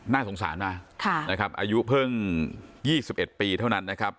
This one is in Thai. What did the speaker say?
น่าสงสารมากนะครับอายุเพิ่ง๒๑ปีเท่านั้นนะครับ